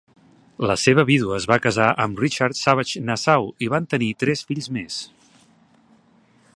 La seva vídua es va casar amb Richard Savage Nassau i van tenir tres fills més.